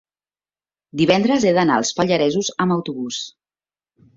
divendres he d'anar als Pallaresos amb autobús.